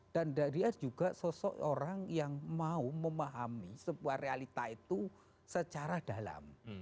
dan dia juga sosok orang yang mau memahami sebuah realita itu secara dalam